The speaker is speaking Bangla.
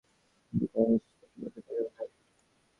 আবার কাহাকেও স্পর্শ করিতে পর্যন্ত তাহারা কুণ্ঠিত হয়।